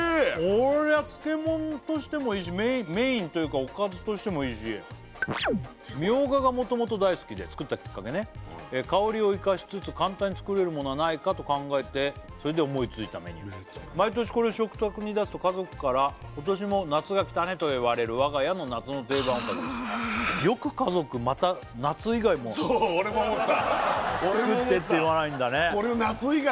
こりゃ漬物としてもいいしメインというかおかずとしてもいいしミョウガがもともと大好きで作ったきっかけね香りを生かしつつ簡単に作れるものはないかと考えてそれで思いついたメニュー毎年これを食卓に出すと家族から「今年も夏が来たね」と言われる我が家の夏の定番おかずかあよく家族また夏以外もそう俺も思った作ってって言わないんだね